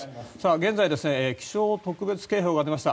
現在、気象特別警報が出ました。